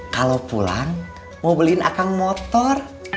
kalau pulang mau beliin akang motor